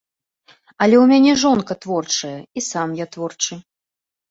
Але ў мяне жонка творчая, і сам я творчы.